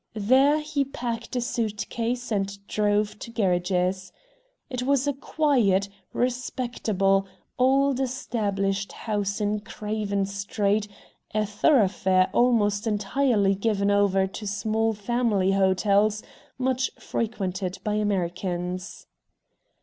There he packed a suit case and drove to Gerridge's. It was a quiet, respectable, "old established" house in Craven Street, a thoroughfare almost entirely given over to small family hotels much frequented by Americans.